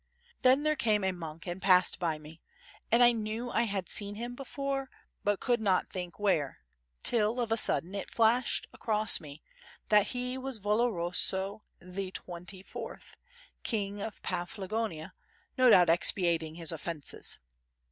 Then there came a monk and passed by me, and I knew I had seen him before but could not think where till, of a sudden, it flashed across me that he was Valoroso XXIV, King of Paphlagonia, no doubt expiating his offences.